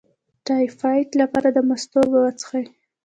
د ټایفایډ لپاره د مستو اوبه وڅښئ